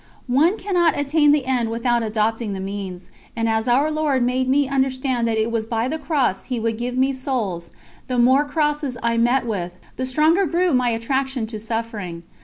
One cannot attain the end without adopting the means, and as Our Lord made me understand that it was by the Cross He would give me souls, the more crosses I met with, the stronger grew my attraction to suffering.